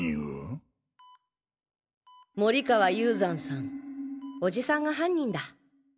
森川雄山さんおじさんが犯人だ。